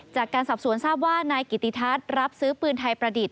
จากการสอบสวนทราบว่านายกิติทัศน์รับซื้อปืนไทยประดิษฐ